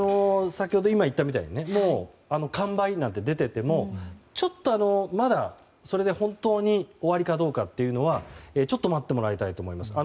今、言ったみたいに「完売」なんて出ていてもまだ、それで本当に終わりかどうかというのはちょっと待ってもらいたいと思います。